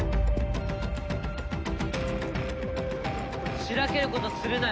しらけることするなよ